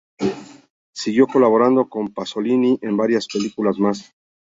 Siguió colaborando con Pasolini en varias películas más.